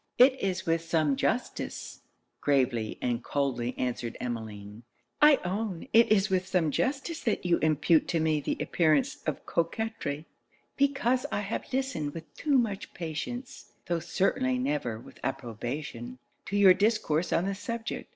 'It is with some justice,' gravely and coldly answered Emmeline 'I own it is with some justice that you impute to me the appearance of coquetry; because I have listened with too much patience, (tho' certainly never with approbation,) to your discourse on this subject.